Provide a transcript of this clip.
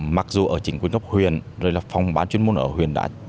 mặc dù ở chính quyền gốc huyền rồi là phòng bán chuyên môn ở huyền đã